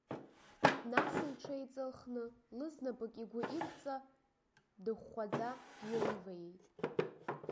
Нас лҽеиҵыхны, лызнапык игәы иқәҵа, дыхәхәаӡа дҩаиваиеит.